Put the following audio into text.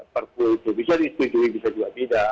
perbu bisa disetujui bisa juga tidak